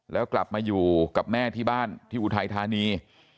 แล้วกลับมาอยู่กับแม่ที่บ้านที่อุทัยธานี